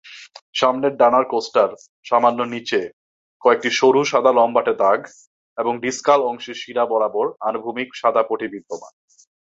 সামনের ডানার কোস্টার সামান্য নিচে কয়েকটি সরু সাদা লম্বাটে দাগ এবং ডিসকাল অংশে শিরা বরাবর আনুভূমিক সাদা পটি বিদ্যমান।